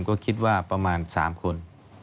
ก็คิดว่าประมาณ๓คน